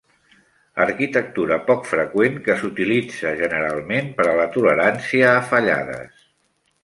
Arquitectura poc freqüent que s'utilitza generalment per a la tolerància a fallades.